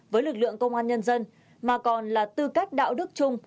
với lực lượng công an nhân dân mà còn là tư cách đạo đức chung